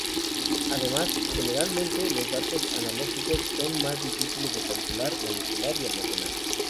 Además, generalmente, los datos analógicos son muy difíciles de calcular, manipular y almacenar.